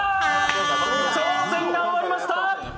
挑戦が終わりました。